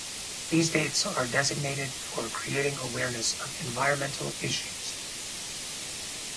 These dates are designated for creating awareness of environmental issues.